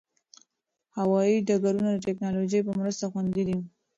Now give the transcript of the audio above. هوايي ډګرونه د ټکنالوژۍ په مرسته خوندي دي.